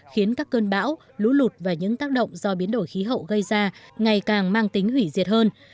khiến các cơn bão lũ lụt và những tác động do biến đổi khí hậu gây ra ngày càng mang tính hủy diệt hơn